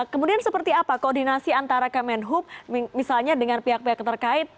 kemudian seperti apa koordinasi antara kemenhub misalnya dengan pihak pihak terkait